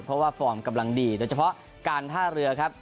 เพราะว่าฟอร์มกำลังดีโดยเฉพาะการท่าเรือครับ